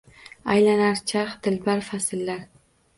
Аylanar charx, dilbar fasllar